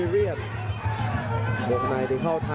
อันนี้พยายามจะเน้นข้างซ้ายนะครับ